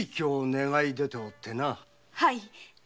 はい。